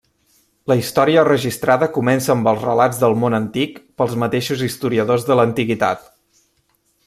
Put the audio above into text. La història registrada comença amb els relats del món antic pels mateixos historiadors de l'antiguitat.